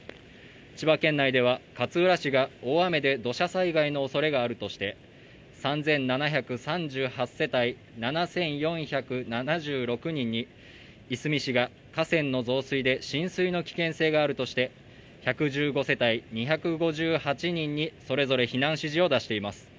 千葉県内では勝浦市が大雨で土砂災害のおそれがあるとして３７３８世帯７４７６人にいすみ市が河川の増水で浸水の危険性があるとして１１５世帯２５８人にそれぞれ避難指示を出しています